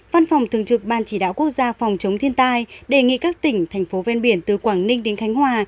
văn phòng thường trực ban chỉ đạo quốc gia phòng chống thiên tai đề nghị các tỉnh thành phố ven biển từ quảng ninh đến khánh hòa